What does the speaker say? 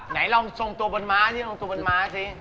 ไหนลองส่งตัวบนม้าสิ